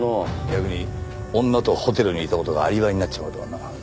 逆に女とホテルにいた事がアリバイになっちまうとはな。